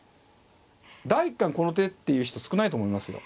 第一感この手っていう人少ないと思いますよ。